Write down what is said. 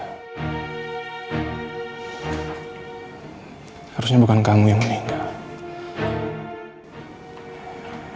harusnya bukan kamu yang meninggal